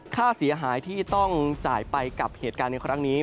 ค่าเสียหายที่ต้องจ่ายไปกับเหตุการณ์ในครั้งนี้